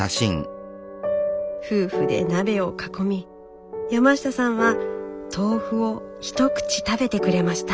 夫婦で鍋を囲み山下さんは豆腐を一口食べてくれました。